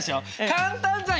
簡単じゃん！